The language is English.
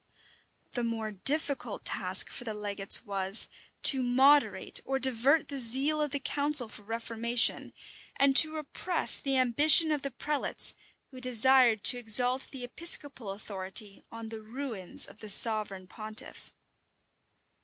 [*] The more difficult task for the legates was, to moderate or divert the zeal of the council for reformation, and to repress the ambition of the prelates, who desired to exalt the episcopal authority on the ruins of the sovereign pontiff.